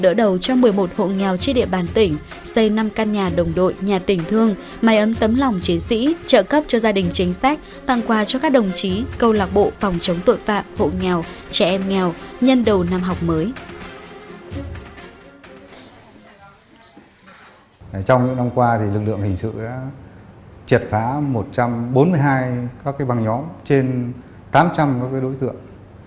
trong những năm qua lực lượng hình sự đã triệt phá một trăm bốn mươi hai các bằng nhóm trên tám trăm linh đối tượng